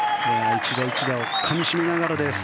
１打１打をかみ締めながらです。